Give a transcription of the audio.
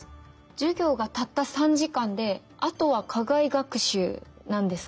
授業がたった３時間であとは課外学習なんですか？